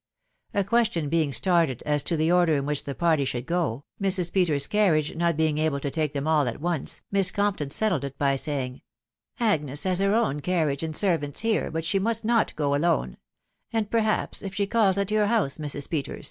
A question being started as to the order in which the party should go, Mrs. Peters's carriage not being able to take them all at once, Miss Compton settled it by saying, —" Agnes has her own carriage and servants here, but she must not go alone ; and perhaps, if she calls at your house, Mrs. Peters.